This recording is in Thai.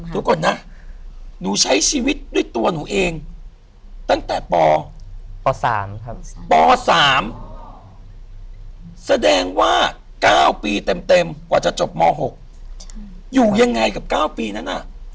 เดี๋ยวก่อนนะหนูใช้ชีวิตด้วยตัวหนูเองตั้งแต่ปป๓ครับป๓แสดงว่า๙ปีเต็มกว่าจะจบม๖อยู่ยังไงกับ๙ปีนั้นน่ะ